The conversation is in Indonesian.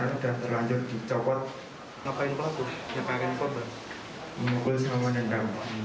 ia pun menyesali perbuatannya